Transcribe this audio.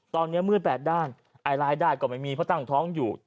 ตอนนี้มืดแปดด้านรายได้ก็ไม่มีเพราะตั้งท้องอยู่